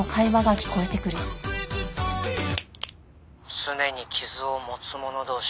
「すねに傷を持つ者同士」